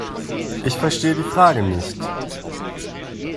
Ich verstehe die Frage nicht.